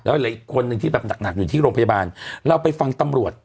แล้วเหลืออีกคนนึงที่แบบหนักหนักอยู่ที่โรงพยาบาลเราไปฟังตำรวจ